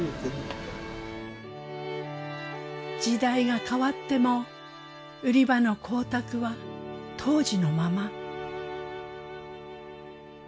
時代が変わっても売り場の光沢は当時のまま。